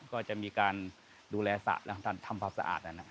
ก็จะมีการดูแลสะและทำภาพสะอาดนะ